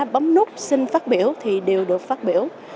bấm nút xin phát biểu thì đều được phát biểu